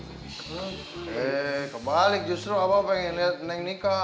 hei kebalik justru abah pengen lihat neng nikah